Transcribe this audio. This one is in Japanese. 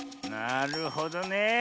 なるほどね。